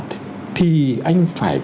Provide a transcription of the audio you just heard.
thì anh phải tính đến cái kế hoạch này